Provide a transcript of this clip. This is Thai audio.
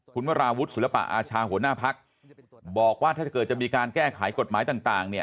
คุณวราวุฒิศิลปะอาชาหัวหน้าพักบอกว่าถ้าเกิดจะมีการแก้ไขกฎหมายต่างเนี่ย